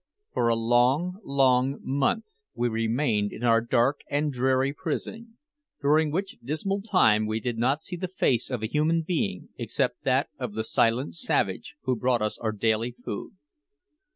For a long, long month we remained in our dark and dreary prison, during which dismal time we did not see the face of a human being except that of the silent savage who brought us our daily food.